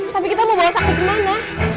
tapi kita mau bawa sakti kemana